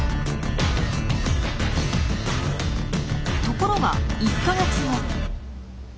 ところが１か月後。